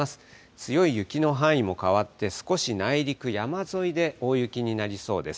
強い雪の範囲も変わって、少し内陸、山沿いで大雪になりそうです。